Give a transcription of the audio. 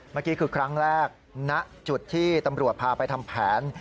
เมื่อกี้คือครั้งแรกณจุดที่ตำรวจพาไปทำแผน